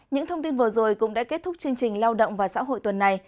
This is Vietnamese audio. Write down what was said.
những thông tin vừa rồi cũng đã kết thúc chương trình lao động và xã hội tuần này